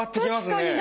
確かに！